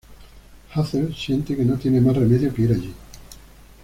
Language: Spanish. Hazel siente que no tiene más remedio que ir allí.